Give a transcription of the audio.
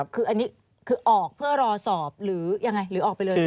คืออันนี้คือออกเพื่อรอสอบหรือยังไงหรือออกไปเลย